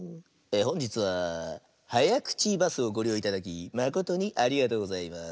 「ほんじつははやくちバスをごりよういただきまことにありがとうございます」。